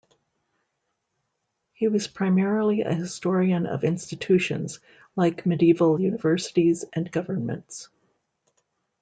He was primarily a historian of institutions, like medieval universities and governments.